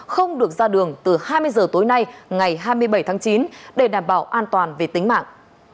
không được ra đường từ hai mươi giờ tối nay ngày hai mươi bảy tháng chín để đảm bảo an toàn về tính mạng